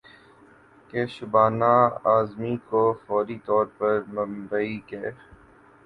کہ شبانہ اعظمی کو فوری طور پر ممبئی کے